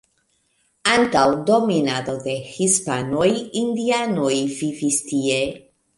Antaŭ dominado de hispanoj indianoj vivis tie.